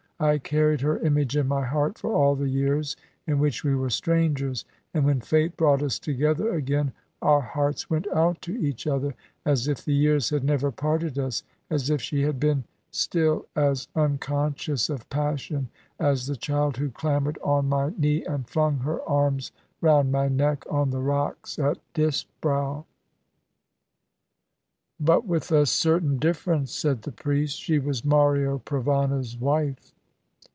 I carried her image in my heart for all the years in which we were strangers; and when Fate brought us together again our hearts went out to each other, as if the years had never parted us, as if she had been still as unconscious of passion as the child who clambered on my knee and flung her arms round my neck on the rocks at Disbrowe." "But with a certain difference," said the priest. "She was Mario Provana's wife."